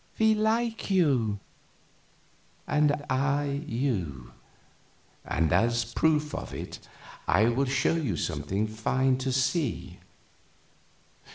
"We like you." "And I you. And as a proof of it I will show you something fine to see.